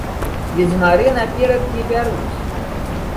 Ведзьмары наперад не бяруць.